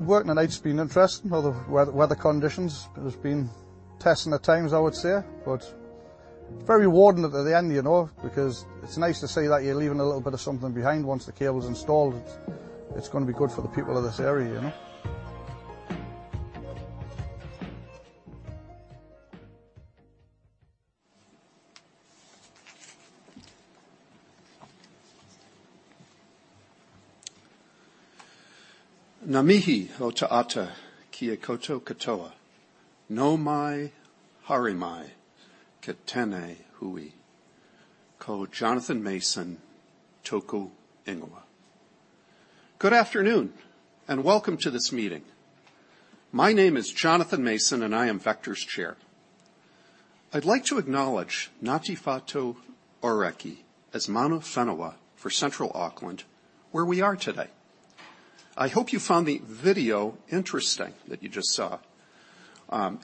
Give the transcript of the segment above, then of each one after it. Working at night has been interesting. All the weather conditions have been testing at times, I would say, but very rewarding at the end, you know, because it's nice to see that you're leaving a little bit of something behind once the cable is installed. It's gonna be good for the people of this area, you know. Ngā mihi o te ata ki a koutou katoa. Nau mai, haere mai ki tēnei hui. Ko Jonathan Mason tōku ingoa. Good afternoon, and welcome to this meeting. My name is Jonathan Mason, and I am Vector's chair. I'd like to acknowledge Ngāti Whātua Ōrākei as mana whenua for Central Auckland, where we are today. I hope you found the video interesting that you just saw.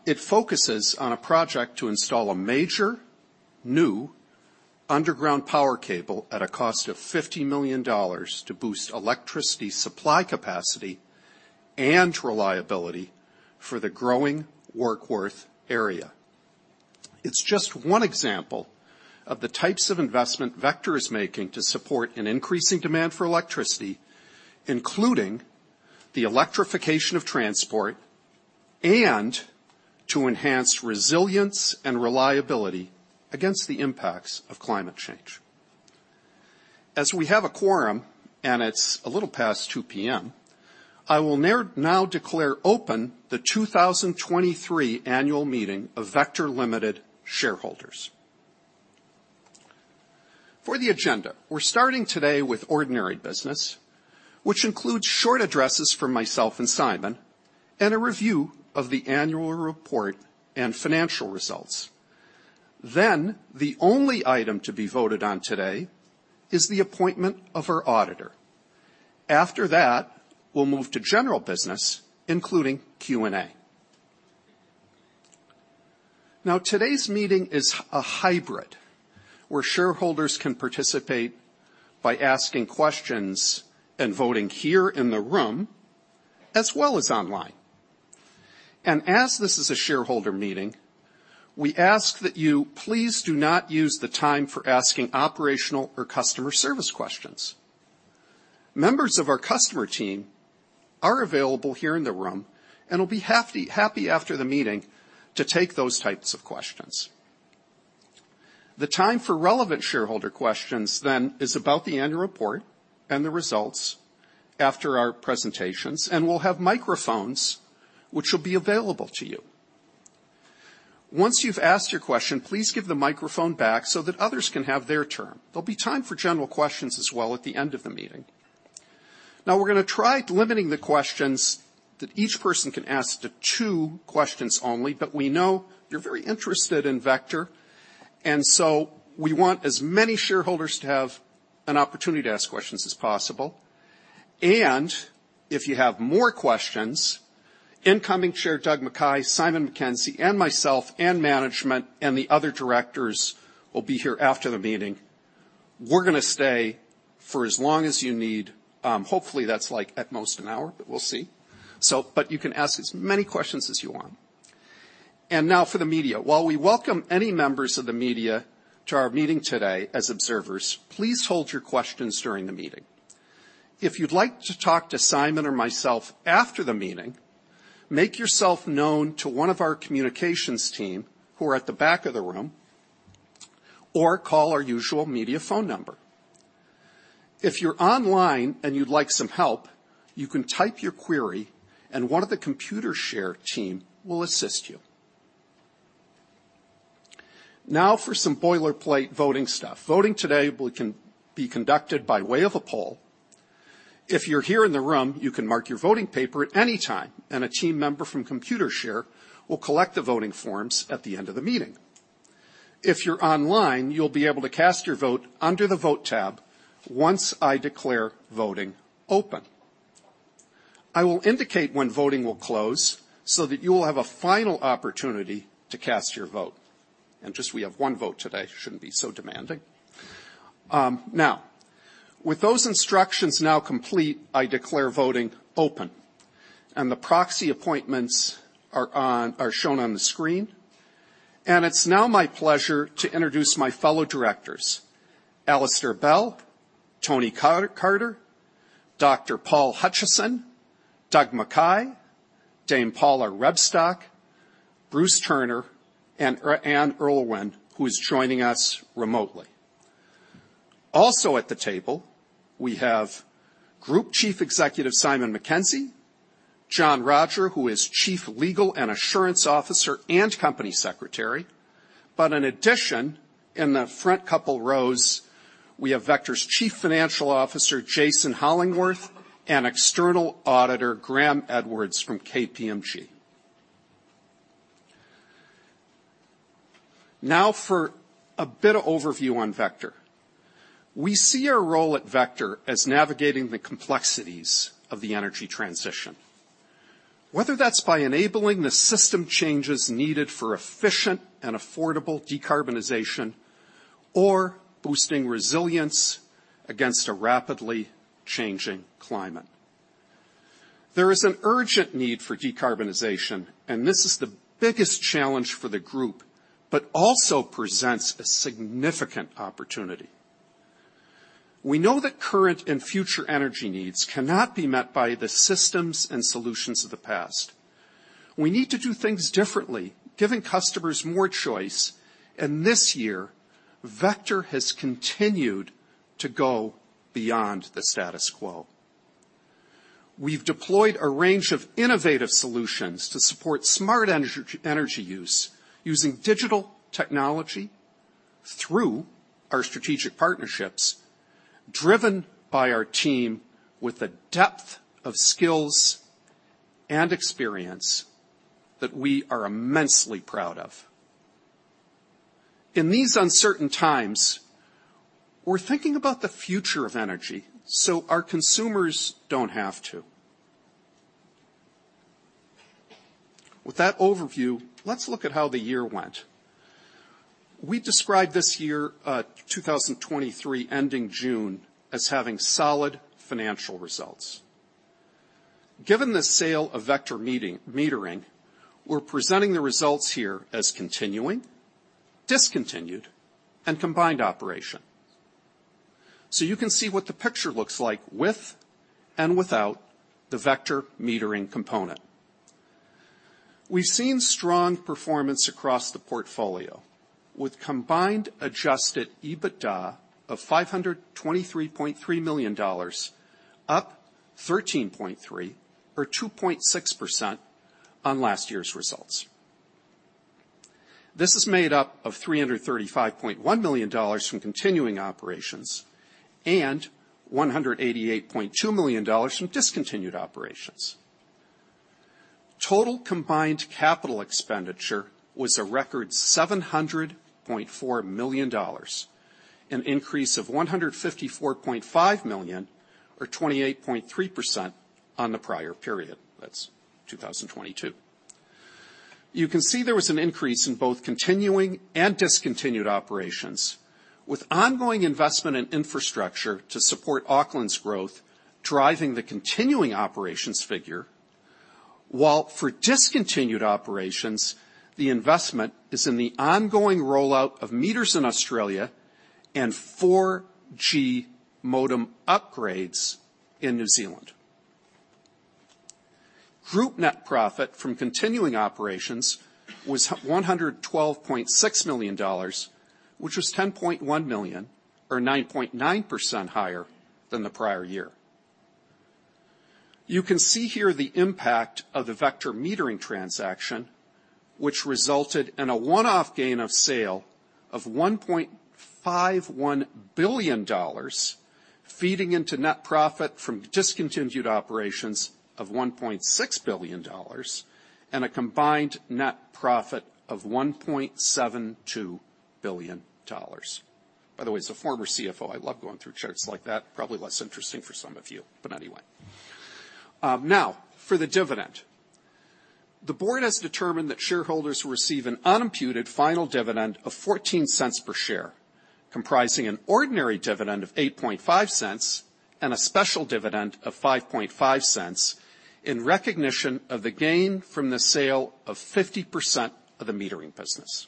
It focuses on a project to install a major, new, underground power cable at a cost of 50 million dollars to boost electricity supply capacity and reliability for the growing Warkworth area. It's just one example of the types of investment Vector is making to support an increasing demand for electricity, including the electrification of transport and to enhance resilience and reliability against the impacts of climate change. As we have a quorum, and it's a little past 2:00 P.M., I will now declare open the 2023 Annual Meeting of Vector Limited Shareholders. For the agenda, we're starting today with ordinary business, which includes short addresses from myself and Simon, and a review of the annual report and financial results. Then, the only item to be voted on today is the appointment of our auditor. After that, we'll move to general business, including Q&A. Now, today's meeting is a hybrid, where shareholders can participate by asking questions and voting here in the room, as well as online. As this is a shareholder meeting, we ask that you please do not use the time for asking operational or customer service questions. Members of our customer team are available here in the room and will be happy, happy after the meeting to take those types of questions. The time for relevant shareholder questions then is about the annual report and the results after our presentations, and we'll have microphones which will be available to you. Once you've asked your question, please give the microphone back so that others can have their turn. There'll be time for general questions as well at the end of the meeting. Now, we're gonna try limiting the questions that each person can ask to two questions only, but we know you're very interested in Vector, and so we want as many shareholders to have an opportunity to ask questions as possible. If you have more questions, incoming Chair Doug McKay, Simon Mackenzie, and myself, and management, and the other directors will be here after the meeting. We're gonna stay for as long as you need. Hopefully, that's like at most an hour, but we'll see. So, but you can ask as many questions as you want. And now for the media. While we welcome any members of the media to our meeting today as observers, please hold your questions during the meeting. If you'd like to talk to Simon or myself after the meeting, make yourself known to one of our communications team, who are at the back of the room, or call our usual media phone number. If you're online and you'd like some help, you can type your query, and one of the Computershare team will assist you. Now for some boilerplate voting stuff. Voting today will be conducted by way of a poll. If you're here in the room, you can mark your voting paper at any time, and a team member from Computershare will collect the voting forms at the end of the meeting. If you're online, you'll be able to cast your vote under the Vote tab once I declare voting open. I will indicate when voting will close so that you will have a final opportunity to cast your vote. And just we have one vote today, shouldn't be so demanding. Now, with those instructions now complete, I declare voting open, and the proxy appointments are shown on the screen. And it's now my pleasure to introduce my fellow directors, Alastair Bell, Tony Carter, Dr Paul Hutchison, Doug McKay, Dame Paula Rebstock, Bruce Turner, and Anne Urlwin, who is joining us remotely. Also at the table, we have Group Chief Executive, Simon Mackenzie, John Rodger, who is Chief Legal and Assurance Officer and Company Secretary. But in addition, in the front couple rows, we have Vector's Chief Financial Officer, Jason Hollingworth, and external auditor, Graeme Edwards from KPMG. Now, for a bit of overview on Vector. We see our role at Vector as navigating the complexities of the energy transition. Whether that's by enabling the system changes needed for efficient and affordable decarbonization or boosting resilience against a rapidly changing climate. There is an urgent need for decarbonization, and this is the biggest challenge for the group, but also presents a significant opportunity. We know that current and future energy needs cannot be met by the systems and solutions of the past. We need to do things differently, giving customers more choice, and this year, Vector has continued to go beyond the status quo. We've deployed a range of innovative solutions to support smart energy, energy use, using digital technology through our strategic partnerships, driven by our team with a depth of skills and experience that we are immensely proud of. In these uncertain times, we're thinking about the future of energy, so our consumers don't have to. With that overview, let's look at how the year went. We described this year, 2023, ending June, as having solid financial results. Given the sale of Vector Metering, we're presenting the results here as continuing, discontinued, and combined operation. So you can see what the picture looks like with and without the Vector Metering component. We've seen strong performance across the portfolio, with combined Adjusted EBITDA of 523.3 million dollars, up 13.3% or 2.6% on last year's results. This is made up of 335.1 million dollars from continuing operations, and 188.2 million dollars from discontinued operations. Total combined capital expenditure was a record 700.4 million dollars, an increase of 154.5 million, or 28.3%, on the prior period. That's 2022. You can see there was an increase in both continuing and discontinued operations, with ongoing investment in infrastructure to support Auckland's growth, driving the continuing operations figure. While for discontinued operations, the investment is in the ongoing rollout of meters in Australia and 4G modem upgrades in New Zealand. Group net profit from continuing operations was 112.6 million dollars, which was 10.1 million, or 9.9% higher than the prior year. You can see here the impact of the Vector Metering transaction, which resulted in a one-off gain of sale of 1.51 billion dollars, feeding into net profit from discontinued operations of 1.6 billion dollars, and a combined net profit of 1.72 billion dollars. By the way, as a former CFO, I love going through charts like that. Probably less interesting for some of you, but anyway. Now, for the dividend. The board has determined that shareholders will receive an unimputed final dividend of 0.14 per share, comprising an ordinary dividend of 0.085 and a special dividend of 0.055, in recognition of the gain from the sale of 50% of the metering business.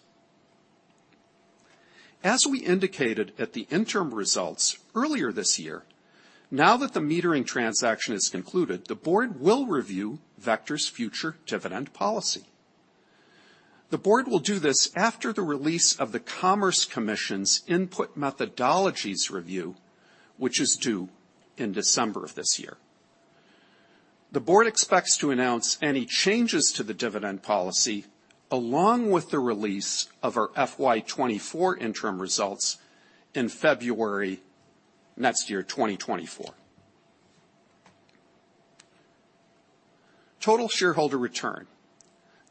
As we indicated at the interim results earlier this year, now that the metering transaction is concluded, the board will review Vector's future dividend policy. The board will do this after the release of the Commerce Commission's Input Methodologies review, which is due in December of this year. The board expects to announce any changes to the dividend policy, along with the release of our FY 2024 interim results in February next year, 2024. Total Shareholder Return.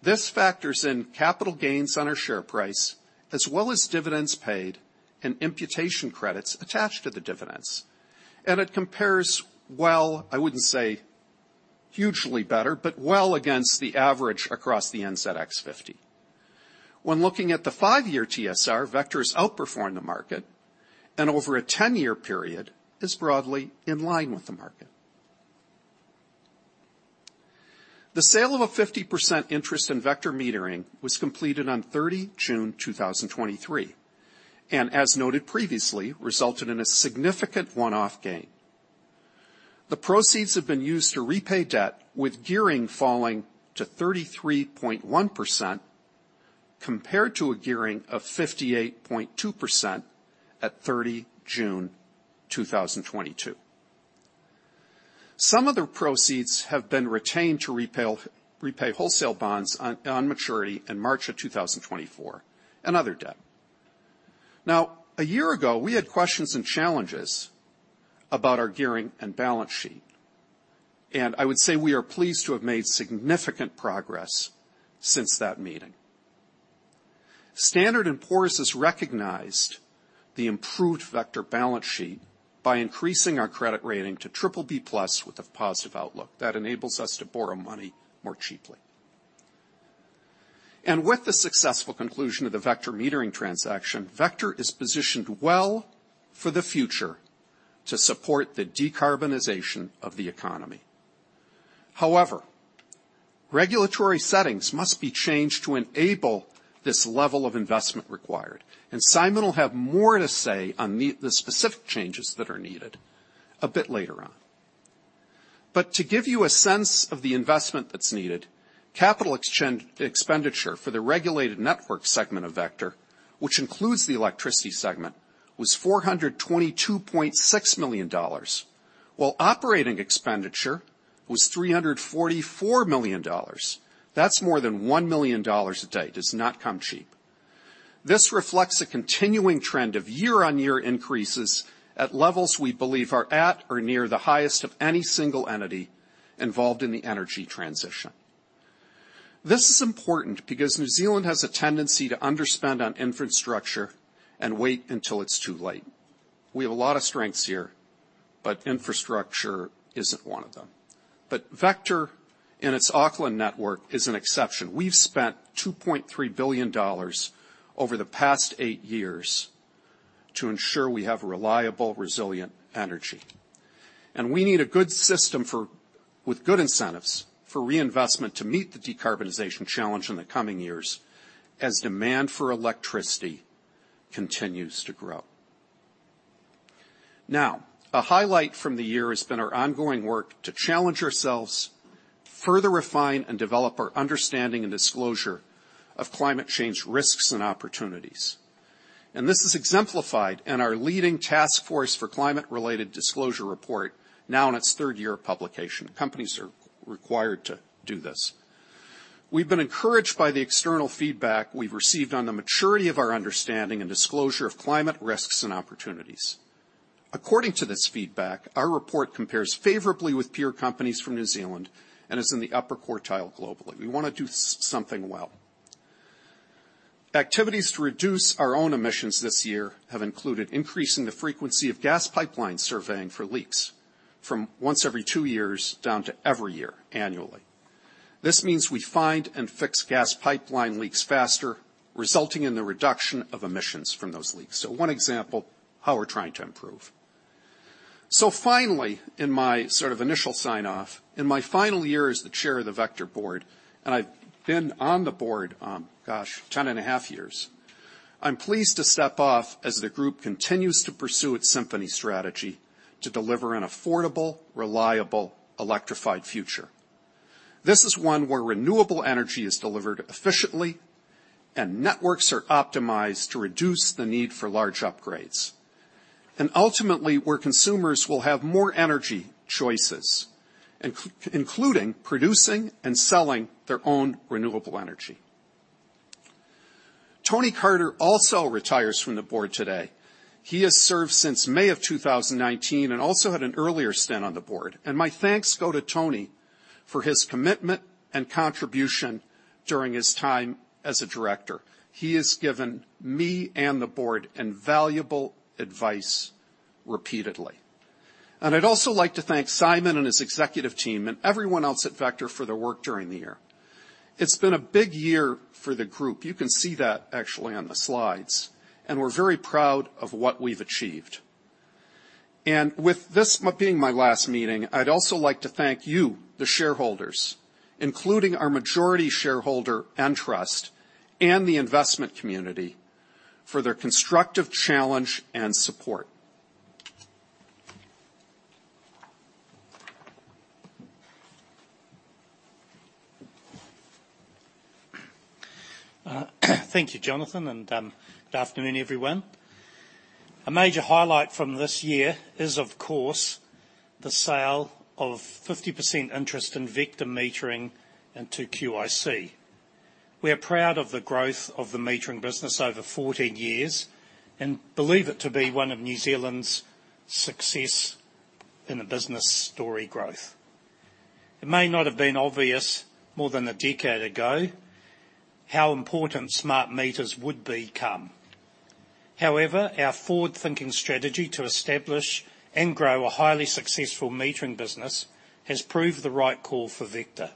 This factors in capital gains on our share price, as well as dividends paid and imputation credits attached to the dividends. It compares well, I wouldn't say hugely better, but well against the average across the NZX 50. When looking at the five year TSR, Vector has outperformed the market, and over a 10-year period, is broadly in line with the market. The sale of a 50% interest in Vector Metering was completed on 30 June 2023, and as noted previously, resulted in a significant one-off gain. The proceeds have been used to repay debt, with gearing falling to 33.1%, compared to a gearing of 58.2% at 30 June 2022. Some of the proceeds have been retained to repay wholesale bonds on maturity in March 2024, and other debt. Now, a year ago, we had questions and challenges about our gearing and balance sheet, and I would say we are pleased to have made significant progress since that meeting. Standard & Poor's has recognized the improved Vector balance sheet by increasing our credit rating to BBB+ with a positive outlook. That enables us to borrow money more cheaply.... And with the successful conclusion of the Vector Metering transaction, Vector is positioned well for the future to support the decarbonization of the economy. However, regulatory settings must be changed to enable this level of investment required, and Simon will have more to say on the specific changes that are needed a bit later on. But to give you a sense of the investment that's needed, capital expenditure for the regulated network segment of Vector, which includes the electricity segment, was 422.6 million dollars, while operating expenditure was 344 million dollars. That's more than 1 million dollars a day. Does not come cheap. This reflects a continuing trend of year-on-year increases at levels we believe are at or near the highest of any single entity involved in the energy transition. This is important because New Zealand has a tendency to underspend on infrastructure and wait until it's too late. We have a lot of strengths here, but infrastructure isn't one of them. But Vector and its Auckland network is an exception. We've spent 2.3 billion dollars over the past eight years to ensure we have reliable, resilient energy. We need a good system for—with good incentives for reinvestment to meet the decarbonization challenge in the coming years, as demand for electricity continues to grow. Now, a highlight from the year has been our ongoing work to challenge ourselves, further refine and develop our understanding and disclosure of climate change risks and opportunities. And this is exemplified in our leading Task Force for climate-related disclosure report, now in its third year of publication. Companies are required to do this. We've been encouraged by the external feedback we've received on the maturity of our understanding and disclosure of climate risks and opportunities. According to this feedback, our report compares favorably with peer companies from New Zealand and is in the upper quartile globally. We wanna do something well. Activities to reduce our own emissions this year have included increasing the frequency of gas pipeline surveying for leaks from once every two years down to every year, annually. This means we find and fix gas pipeline leaks faster, resulting in the reduction of emissions from those leaks. So one example, how we're trying to improve. So finally, in my sort of initial sign-off, in my final year as the chair of the Vector board, and I've been on the board, gosh, 10.5 years, I'm pleased to step off as the group continues to pursue its Symphony strategy to deliver an affordable, reliable, electrified future. This is one where renewable energy is delivered efficiently and networks are optimized to reduce the need for large upgrades, and ultimately, where consumers will have more energy choices, including producing and selling their own renewable energy. Tony Carter also retires from the board today. He has served since May of 2019, and also had an earlier stint on the board. My thanks go to Tony for his commitment and contribution during his time as a director. He has given me and the board invaluable advice repeatedly. I'd also like to thank Simon and his executive team, and everyone else at Vector for their work during the year. It's been a big year for the group. You can see that actually on the slides, and we're very proud of what we've achieved. With this being my last meeting, I'd also like to thank you, the shareholders, including our majority shareholder, Entrust, and the investment community, for their constructive challenge and support. Thank you, Jonathan, and good afternoon, everyone. A major highlight from this year is, of course, the sale of 50% interest in Vector Metering into QIC. We are proud of the growth of the metering business over 14 years and believe it to be one of New Zealand's success in the business story growth. It may not have been obvious more than a decade ago, how important smart meters would become. However, our forward-thinking strategy to establish and grow a highly successful metering business has proved the right call for Vector.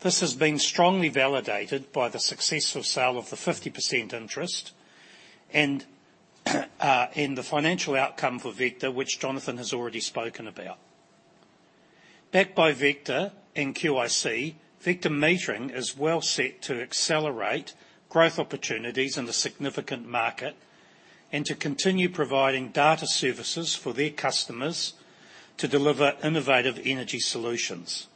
This has been strongly validated by the successful sale of the 50% interest and the financial outcome for Vector, which Jonathan has already spoken about. Backed by Vector and QIC, Vector Metering is well set to accelerate growth opportunities in a significant market and to continue providing data services for their customers to deliver innovative energy solutions.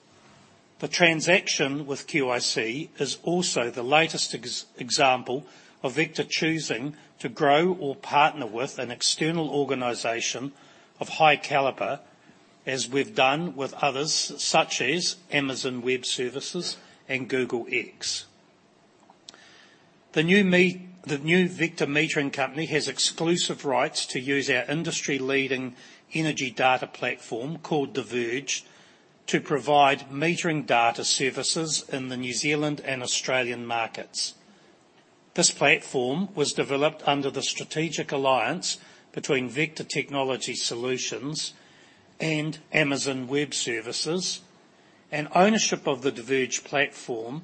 The transaction with QIC is also the latest example of Vector choosing to grow or partner with an external organization of high caliber, as we've done with others, such as Amazon Web Services and Google X. The new Vector Metering company has exclusive rights to use our industry-leading energy data platform, called Diverge, to provide metering data services in the New Zealand and Australian markets. This platform was developed under the strategic alliance between Vector Technology Solutions and Amazon Web Services, and ownership of the Diverge platform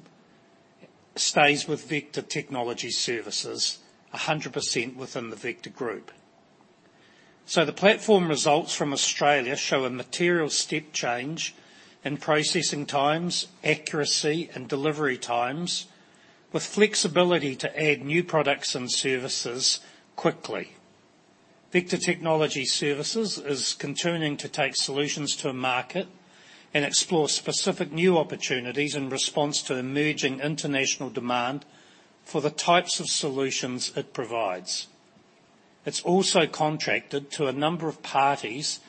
stays with Vector Technology Solutions, 100% within the Vector group. So the platform results from Australia show a material step change in processing times, accuracy, and delivery times, with flexibility to add new products and services quickly. Vector Technology Solutions is continuing to take solutions to market and explore specific new opportunities in response to emerging international demand for the types of solutions it provides. It's also contracted to a number of parties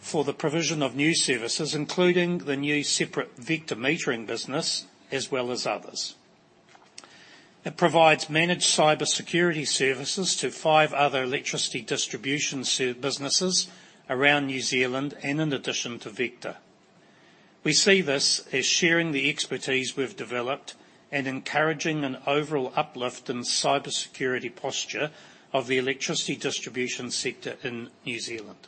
for the provision of new services, including the new separate Vector Metering business, as well as others. It provides managed cybersecurity services to five other electricity distribution businesses around New Zealand, and in addition to Vector. We see this as sharing the expertise we've developed and encouraging an overall uplift in cybersecurity posture of the electricity distribution sector in New Zealand.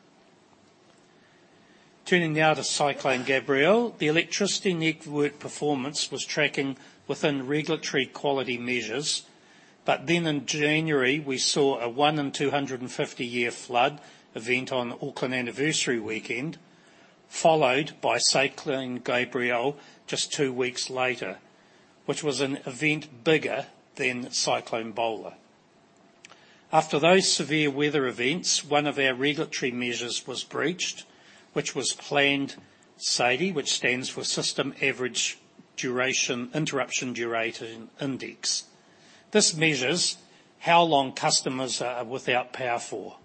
Turning now to Cyclone Gabrielle. The electricity network performance was tracking within regulatory quality measures, but then in January, we saw a one in 250-year flood event on Auckland Anniversary Weekend, followed by Cyclone Gabrielle just two weeks later, which was an event bigger than Cyclone Bola. After those severe weather events, one of our regulatory measures was breached, which was planned SAIDI, which stands for System Average Interruption Duration Index. This measures how long customers are without power for.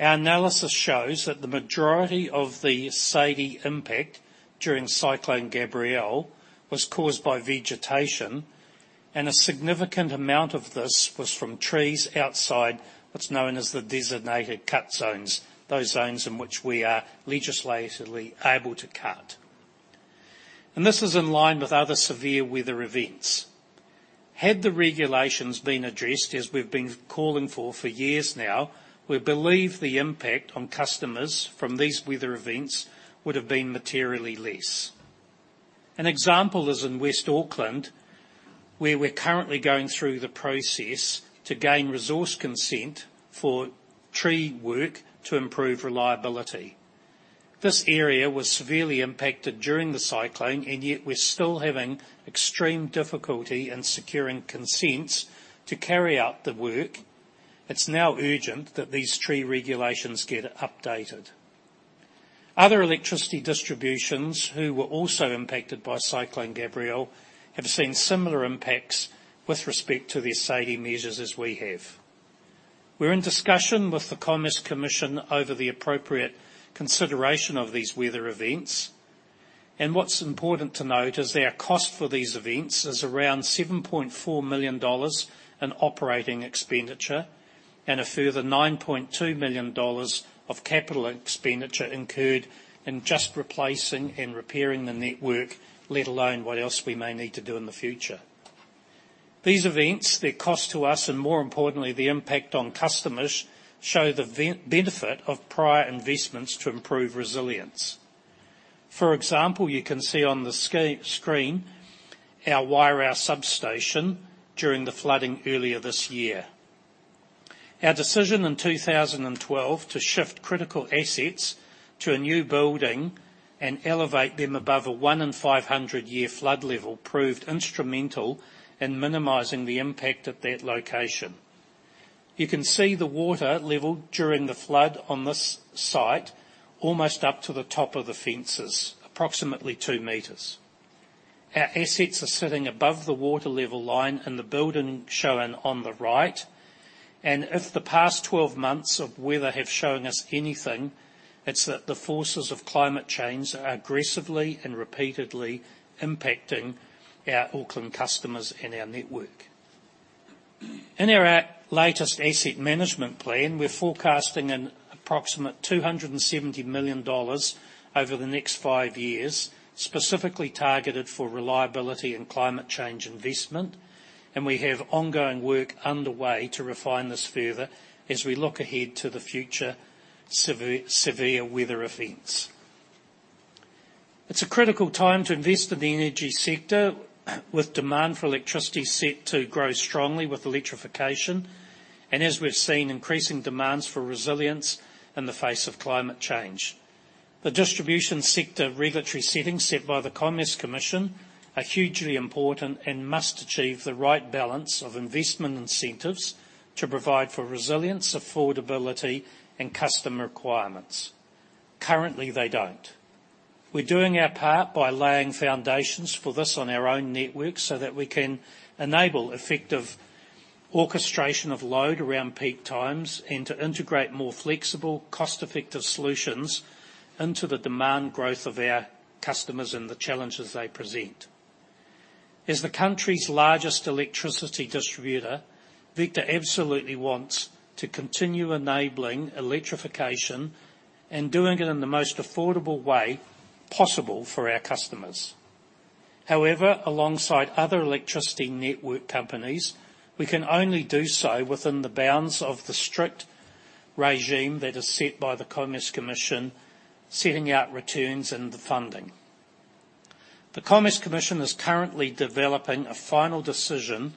Our analysis shows that the majority of the SAIDI impact during Cyclone Gabrielle was caused by vegetation, and a significant amount of this was from trees outside what's known as the designated cut zones, those zones in which we are legislatively able to cut. This is in line with other severe weather events. Had the regulations been addressed, as we've been calling for for years now, we believe the impact on customers from these weather events would have been materially less. An example is in West Auckland, where we're currently going through the process to gain resource consent for tree work to improve reliability. This area was severely impacted during the cyclone, and yet we're still having extreme difficulty in securing consents to carry out the work. It's now urgent that these tree regulations get updated. Other electricity distributions, who were also impacted by Cyclone Gabrielle, have seen similar impacts with respect to their SAIDI measures as we have. We're in discussion with the Commerce Commission over the appropriate consideration of these weather events, and what's important to note is our cost for these events is around 7.4 million dollars in operating expenditure, and a further 9.2 million dollars of capital expenditure incurred in just replacing and repairing the network, let alone what else we may need to do in the future. These events, their cost to us, and more importantly, the impact on customers, show the benefit of prior investments to improve resilience. For example, you can see on the screen, our Wairau substation during the flooding earlier this year. Our decision in 2012 to shift critical assets to a new building and elevate them above a one-in-500-year flood level, proved instrumental in minimizing the impact at that location. You can see the water level during the flood on this site, almost up to the top of the fences, approximately 2 m. Our assets are sitting above the water level line in the building shown on the right, and if the past 12 months of weather have shown us anything, it's that the forces of climate change are aggressively and repeatedly impacting our Auckland customers and our network. In our latest asset management plan, we're forecasting an approximate 270 million dollars over the next five years, specifically targeted for reliability and climate change investment, and we have ongoing work underway to refine this further as we look ahead to the future severe weather events. It's a critical time to invest in the energy sector, with demand for electricity set to grow strongly with electrification, and as we've seen, increasing demands for resilience in the face of climate change. The distribution sector regulatory settings set by the Commerce Commission are hugely important and must achieve the right balance of investment incentives to provide for resilience, affordability, and customer requirements. Currently, they don't. We're doing our part by laying foundations for this on our own network, so that we can enable effective orchestration of load around peak times and to integrate more flexible, cost-effective solutions into the demand growth of our customers and the challenges they present. As the country's largest electricity distributor, Vector absolutely wants to continue enabling electrification and doing it in the most affordable way possible for our customers. However, alongside other electricity network companies, we can only do so within the bounds of the strict regime that is set by the Commerce Commission, setting out returns and the funding. The Commerce Commission is currently developing a final decision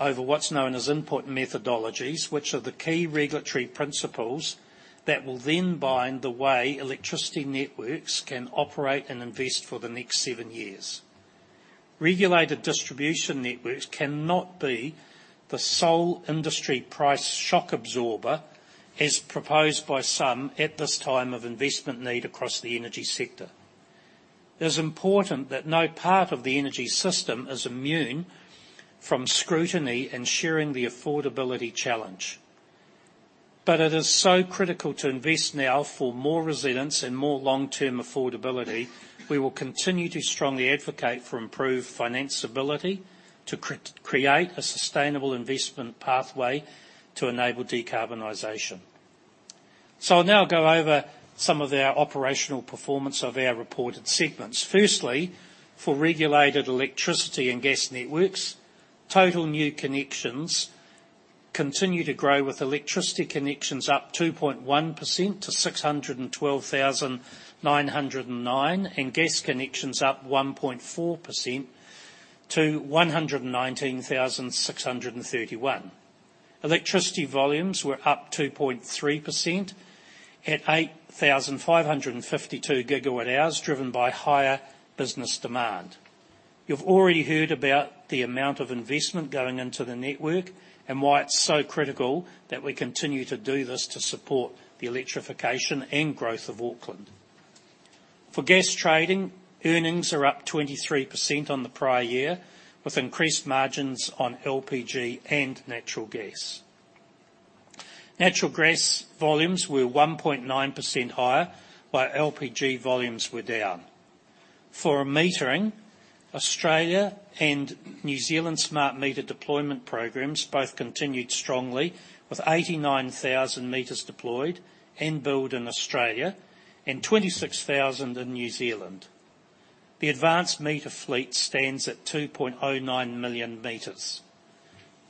over what's known as Input Methodologies, which are the key regulatory principles that will then bind the way electricity networks can operate and invest for the next seven years. Regulated distribution networks cannot be the sole industry price shock absorber, as proposed by some at this time of investment need across the energy sector. It is important that no part of the energy system is immune from scrutiny and sharing the affordability challenge. But it is so critical to invest now for more resilience and more long-term affordability. We will continue to strongly advocate for improved financeability to create a sustainable investment pathway to enable decarbonization. So I'll now go over some of our operational performance of our reported segments. Firstly, for regulated electricity and gas networks, total new connections continue to grow, with electricity connections up 2.1% to 612,909, and gas connections up 1.4% to 119,631. Electricity volumes were up 2.3% at 8,552 GWh, driven by higher business demand. You've already heard about the amount of investment going into the network and why it's so critical that we continue to do this to support the electrification and growth of Auckland. For gas trading, earnings are up 23% on the prior year, with increased margins on LPG and natural gas. Natural gas volumes were 1.9% higher, while LPG volumes were down. For metering, Australia and New Zealand smart meter deployment programs both continued strongly, with 89,000 meters deployed and built in Australia, and 26,000 in New Zealand. The advanced meter fleet stands at 2.09 million meters.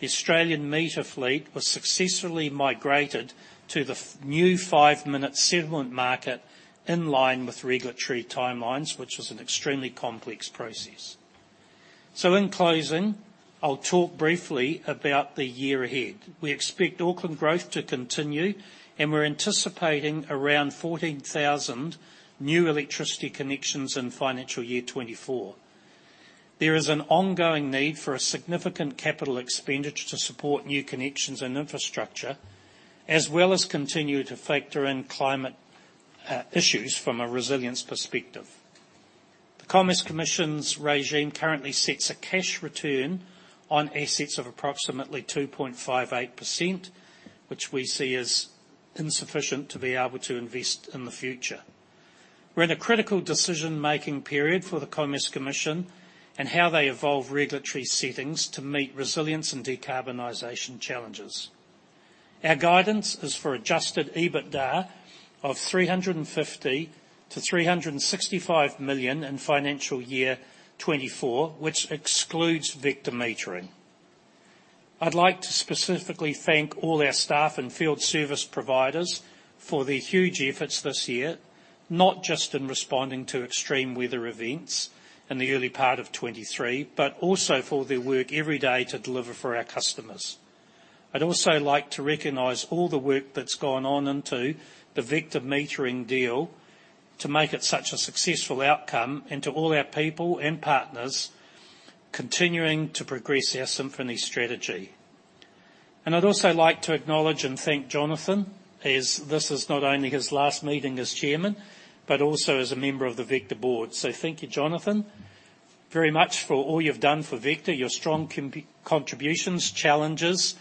The Australian meter fleet was successfully migrated to the new five-minute settlement market in line with regulatory timelines, which was an extremely complex process. So in closing, I'll talk briefly about the year ahead. We expect Auckland growth to continue, and we're anticipating around 14,000 new electricity connections in financial year 2024. There is an ongoing need for a significant capital expenditure to support new connections and infrastructure, as well as continue to factor in climate issues from a resilience perspective. The Commerce Commission's regime currently sets a cash return on assets of approximately 2.58%, which we see as insufficient to be able to invest in the future. We're in a critical decision-making period for the Commerce Commission and how they evolve regulatory settings to meet resilience and decarbonization challenges. Our guidance is for Adjusted EBITDA of 350 million-365 million in financial year 2024, which excludes Vector Metering. I'd like to specifically thank all our staff and field service providers for their huge efforts this year, not just in responding to extreme weather events in the early part of 2023, but also for their work every day to deliver for our customers. I'd also like to recognize all the work that's gone on into the Vector Metering deal to make it such a successful outcome, and to all our people and partners continuing to progress our Symphony strategy. I'd also like to acknowledge and thank Jonathan, as this is not only his last meeting as chairman, but also as a member of the Vector board. So thank you, Jonathan, very much for all you've done for Vector, your strong contributions, challenges, and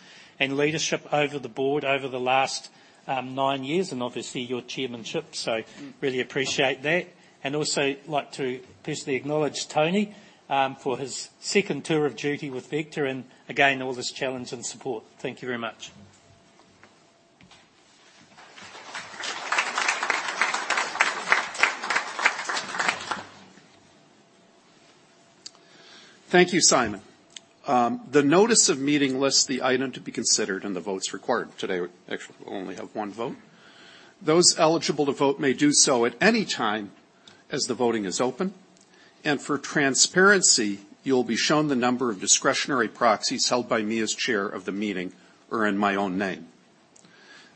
leadership over the board over the last nine years, and obviously, your chairmanship. So really appreciate that. And also like to personally acknowledge Tony for his second tour of duty with Vector, and again, all this challenge and support. Thank you very much. Thank you, Simon. The notice of meeting lists the item to be considered and the votes required. Today, we actually only have one vote. Those eligible to vote may do so at any time, as the voting is open. For transparency, you'll be shown the number of discretionary proxies held by me as chair of the meeting or in my own name.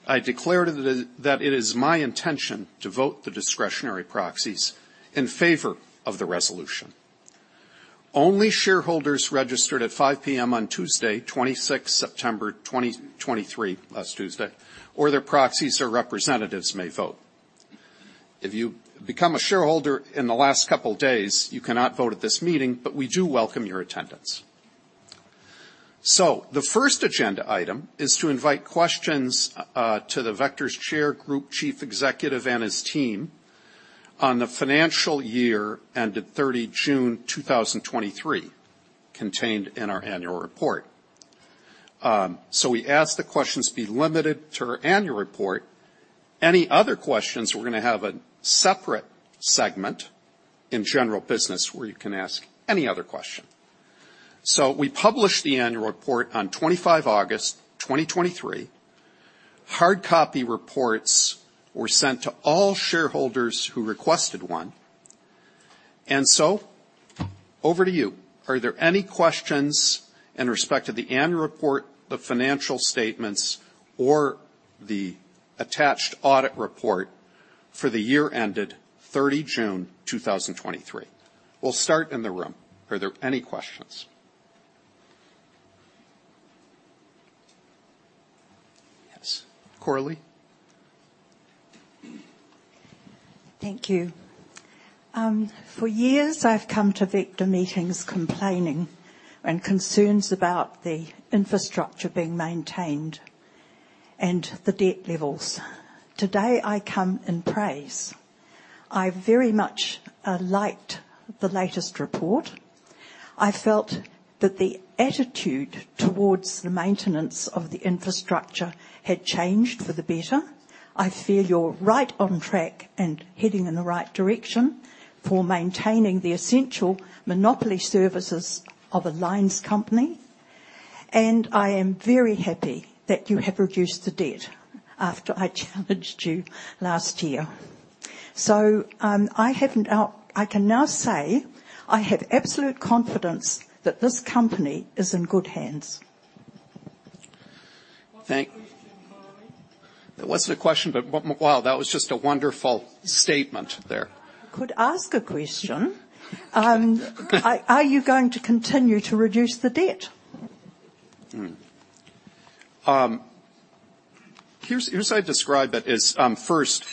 I declare that it, that it is my intention to vote the discretionary proxies in favor of the resolution. Only shareholders registered at 5:00 P.M. on Tuesday, 26th September, 2023, last Tuesday, or their proxies or representatives may vote. If you become a shareholder in the last couple of days, you cannot vote at this meeting, but we do welcome your attendance. The first agenda item is to invite questions to Vector's Chair, Group Chief Executive, and his team. On the financial year ended 30 June 2023, contained in our annual report. So we ask the questions be limited to our annual report. Any other questions, we're gonna have a separate segment in general business, where you can ask any other question. So we published the annual report on 25 August 2023. Hard copy reports were sent to all shareholders who requested one. And so over to you. Are there any questions in respect to the annual report, the financial statements, or the attached audit report for the year ended 30 June 2023? We'll start in the room. Are there any questions? Yes, Coralie. Thank you. For years, I've come to Vector meetings complaining and concerns about the infrastructure being maintained and the debt levels. Today, I come and praise. I very much liked the latest report. I felt that the attitude towards the maintenance of the infrastructure had changed for the better. I feel you're right on track and heading in the right direction for maintaining the essential monopoly services of alliance company. I am very happy that you have reduced the debt after I challenged you last year. I can now say I have absolute confidence that this company is in good hands. Thank- What's the question, Coralie? That wasn't a question, but wow, that was just a wonderful statement there. I could ask a question. Are you going to continue to reduce the debt? Here's how I describe it. First,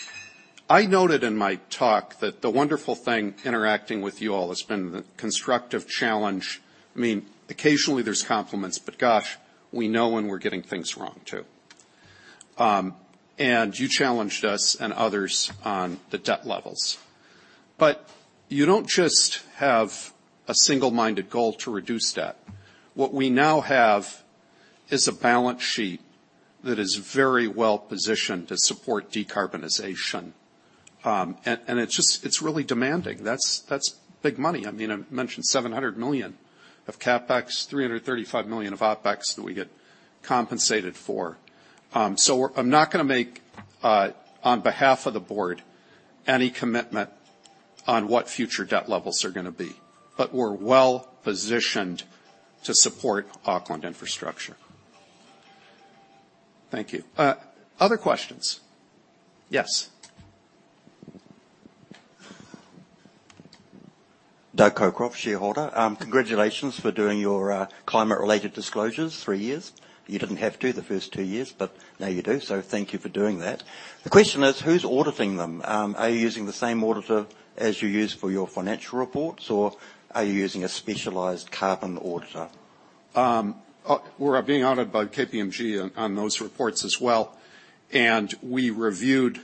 I noted in my talk that the wonderful thing interacting with you all has been the constructive challenge. I mean, occasionally there's compliments, but gosh, we know when we're getting things wrong, too. And you challenged us and others on the debt levels. But you don't just have a single-minded goal to reduce debt. What we now have is a balance sheet that is very well-positioned to support decarbonization. And it's just - it's really demanding. That's big money. I mean, I've mentioned 700 million of CapEx, 335 million of OpEx that we get compensated for. So we're - I'm not gonna make, on behalf of the board, any commitment on what future debt levels are gonna be. But we're well-positioned to support Auckland Infrastructure. Thank you. Other questions? Yes. Don Cockcroft, shareholder. Congratulations for doing your climate-related disclosures three years. You didn't have to the first two years, but now you do, so thank you for doing that. The question is: who's auditing them? Are you using the same auditor as you use for your financial reports, or are you using a specialized carbon auditor? We're being audited by KPMG on those reports as well, and we reviewed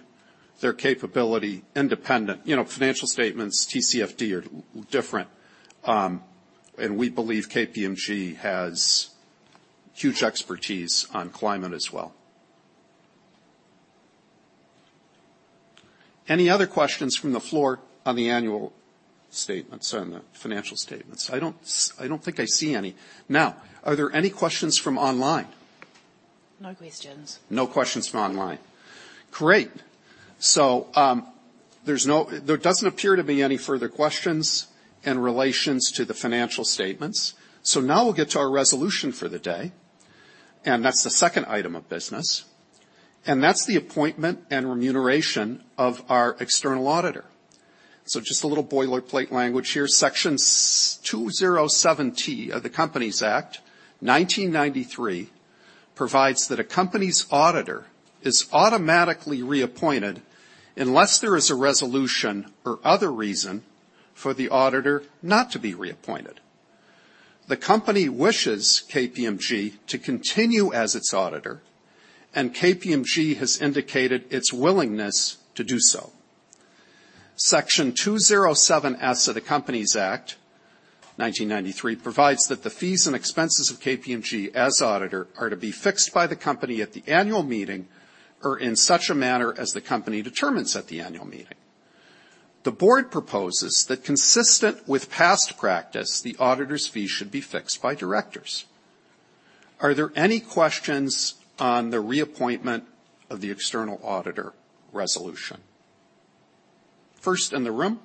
their capability independent. You know, financial statements, TCFD are different, and we believe KPMG has huge expertise on climate as well. Any other questions from the floor on the annual statements and the financial statements? I don't think I see any. Now, are there any questions from online? No questions. No questions from online. Great. So, there doesn't appear to be any further questions in relation to the financial statements. So now we'll get to our resolution for the day, and that's the second item of business, and that's the appointment and remuneration of our external auditor. So just a little boilerplate language here. Section 207T of the Companies Act, 1993, provides that a company's auditor is automatically reappointed unless there is a resolution or other reason for the auditor not to be reappointed. The company wishes KPMG to continue as its auditor, and KPMG has indicated its willingness to do so. Section 207S of the Companies Act, 1993, provides that the fees and expenses of KPMG as auditor, are to be fixed by the company at the annual meeting or in such a manner as the company determines at the annual meeting. The board proposes that, consistent with past practice, the auditor's fee should be fixed by directors. Are there any questions on the reappointment of the external auditor resolution? First, in the room.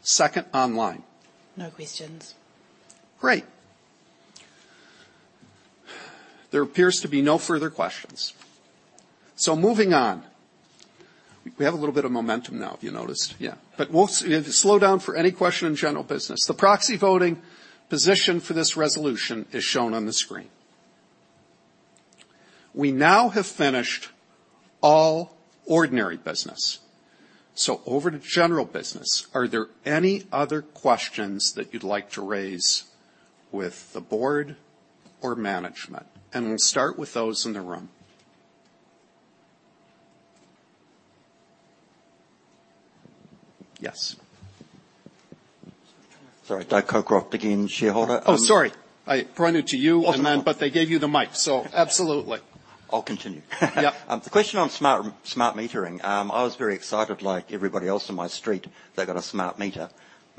Second, online. No questions. Great. There appears to be no further questions. So moving on. We have a little bit of momentum now, if you noticed. Yeah. But we'll slow down for any question in general business. The proxy voting position for this resolution is shown on the screen. We now have finished all ordinary business. So over to general business, are there any other questions that you'd like to raise with the board or management, and we'll start with those in the room. Yes. Sorry, Don Cockcroft again, shareholder, Oh, sorry. I pointed to you- Awesome But they gave you the mic, so absolutely. I'll continue. Yeah. The question on smart metering. I was very excited, like everybody else in my street, they got a smart meter,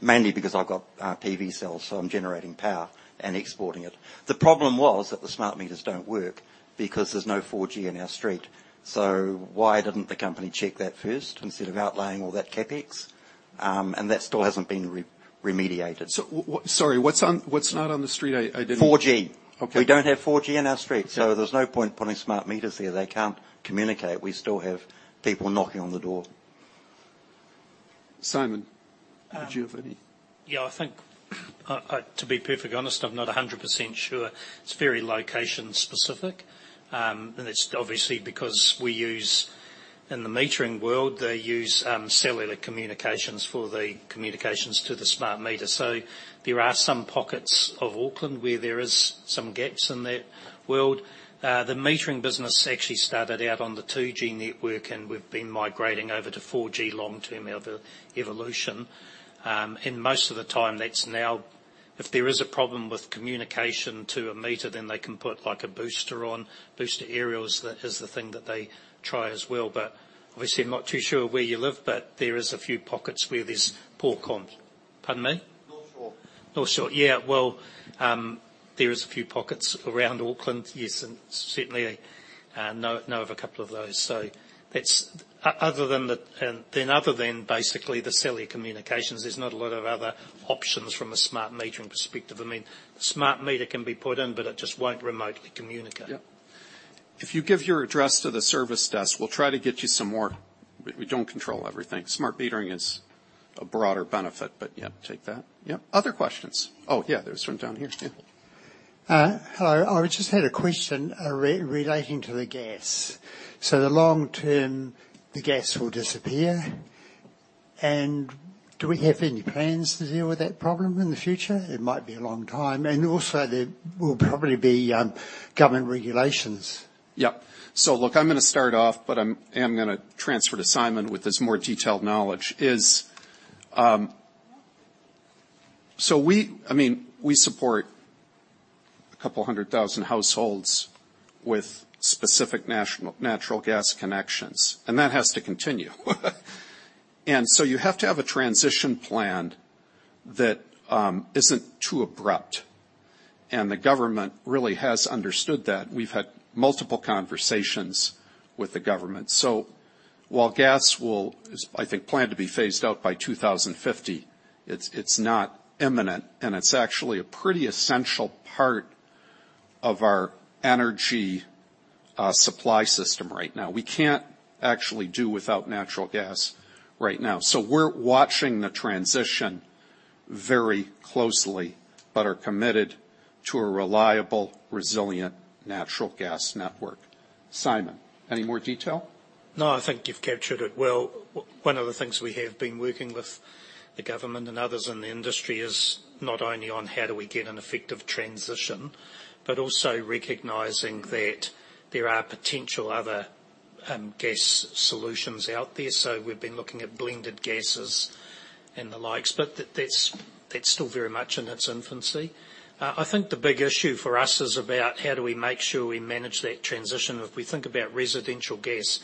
mainly because I've got PV cells, so I'm generating power and exporting it. The problem was that the smart meters don't work because there's no 4G in our street. So why didn't the company check that first instead of outlaying all that CapEx? And that still hasn't been remediated. Sorry, what's on, what's not on the street? I didn't- 4G. Okay. We don't have 4G in our street- Yeah... so there's no point putting smart meters there. They can't communicate. We still have people knocking on the door. Simon- Uh- Did you have any? Yeah, I think, to be perfectly honest, I'm not 100% sure. It's very location specific. And it's obviously because we use, in the metering world, they use cellular communications for the communications to the smart meter. So there are some pockets of Auckland where there is some gaps in that world. The metering business actually started out on the 2G network, and we've been migrating over to 4G long term, the evolution. And most of the time, that's now... If there is a problem with communication to a meter, then they can put, like, a booster on, booster aerials, that is the thing that they try as well. But obviously, I'm not too sure where you live, but there is a few pockets where there's poor comms. Pardon me? North Shore. North Shore, yeah. Well, there is a few pockets around Auckland. Yes, and certainly, I know of a couple of those. So that's... Other than that, and then other than basically the cellular communications, there's not a lot of other options from a smart metering perspective. I mean, a smart meter can be put in, but it just won't remotely communicate. Yeah. If you give your address to the service desk, we'll try to get you some more... We, we don't control everything. Smart metering is a broader benefit, but yeah, take that. Yeah. Other questions? Oh, yeah, there's one down here. Yeah. Hello. I just had a question relating to the gas. So the long term, the gas will disappear, and do we have any plans to deal with that problem in the future? It might be a long time, and also there will probably be government regulations. Yeah. So look, I'm gonna start off, but I'm gonna transfer to Simon with this more detailed knowledge. So we, I mean, we support 200,000 households with specific natural gas connections, and that has to continue. And so you have to have a transition plan that isn't too abrupt, and the government really has understood that. We've had multiple conversations with the government. So while gas will, I think, planned to be phased out by 2050, it's not imminent, and it's actually a pretty essential part of our energy supply system right now. We can't actually do without natural gas right now. So we're watching the transition very closely, but are committed to a reliable, resilient, natural gas network. Simon, any more detail? No, I think you've captured it well. One of the things we have been working with the government and others in the industry is not only on how do we get an effective transition, but also recognizing that there are potential other gas solutions out there. So we've been looking at blended gases and the likes, but that's still very much in its infancy. I think the big issue for us is about how do we make sure we manage that transition? If we think about residential gas,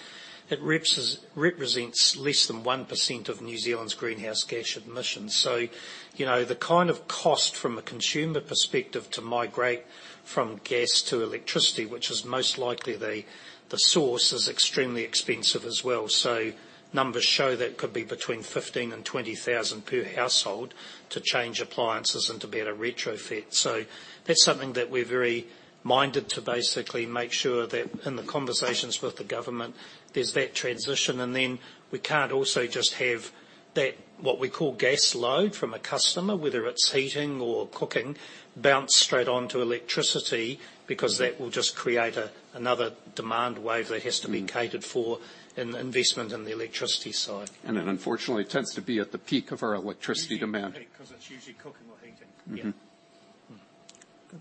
it represents less than 1% of New Zealand's greenhouse gas emissions. So, you know, the kind of cost from a consumer perspective to migrate from gas to electricity, which is most likely the source, is extremely expensive as well. So numbers show that could be between 15,000 and 20,000 per household to change appliances and to be able to retrofit. So that's something that we're very minded to basically make sure that in the conversations with the government, there's that transition. And then we can't also just have that, what we call gas load from a customer, whether it's heating or cooking, bounce straight onto electricity, because that will just create another demand wave that has to be catered for. Mm in investment in the electricity side. It unfortunately tends to be at the peak of our electricity demand. Usually peak, 'cause it's usually cooking or heating. Mm-hmm. Yeah. Mm.